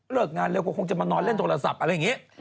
งานเร็วก็คงจะมานอนเล่นโทรศัพท์อะไรอย่างนี้